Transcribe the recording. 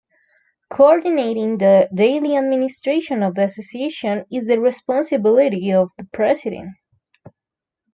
Coordinating the daily administration of the association is the responsibility of the President.